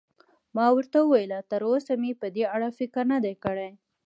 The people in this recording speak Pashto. ما ورته وویل: تراوسه مې په دې اړه فکر نه دی کړی.